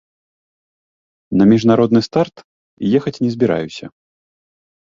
На міжнародны старт ехаць не збіраюся.